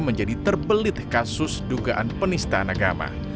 menjadi terbelit kasus dugaan penistaan agama